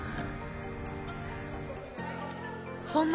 そんな